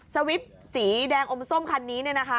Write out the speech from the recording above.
สวิปท์สีแดงอมส้มคันนี้นะคะ